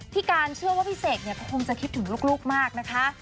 พี่การเชื่อว่าพี่เศกคงจะคิดถึงลูกมากนะคะ